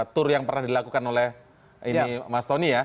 tour yang pernah dilakukan oleh ini mas tony ya